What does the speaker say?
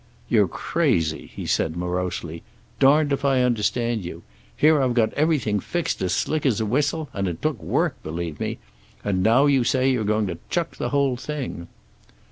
"You're crazy," he said morosely. "Darned if I understand you. Here I've got everything fixed as slick as a whistle, and it took work, believe me. And now you say you're going to chuck the whole thing."